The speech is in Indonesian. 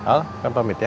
walaikumsalam papa ya